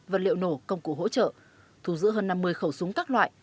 vật liệu nổ công cụ hỗ trợ thù giữ hơn năm mươi khẩu súng các loại